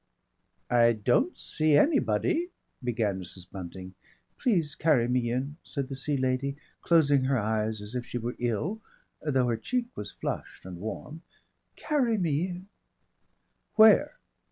"I don't see anybody " began Mrs. Bunting. "Please carry me in," said the Sea Lady, closing her eyes as if she were ill though her cheek was flushed and warm. "Carry me in." "Where?"